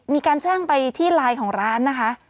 มีการแจ้งไปที่ไลน์ของร้านนะคะ